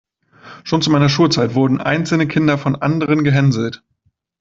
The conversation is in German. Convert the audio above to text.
Schon zu meiner Schulzeit wurden einzelne Kinder von anderen gehänselt.